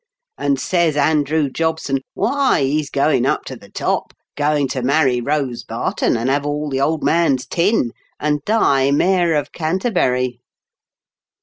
And says Andrew Jobson, ^ Wliy^ he's going up to the top; going to marry Rose Barton, and have all the old man's tin, and die mayor of Canterbury.'